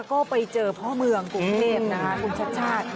ก็ไปเจอพ่อเมืองกรุงเทพนะคะชัด